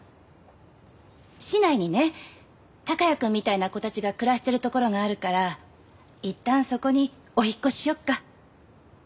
市内にね孝也くんみたいな子たちが暮らしてる所があるからいったんそこにお引っ越ししよっか。